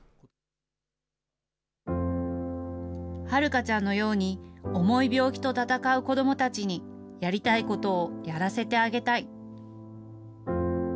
はるかちゃんのように、重い病気と闘う子どもたちに、やりたいことをやらせてあげたい。